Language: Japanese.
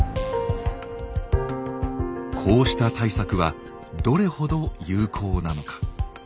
こうした対策はどれほど有効なのか。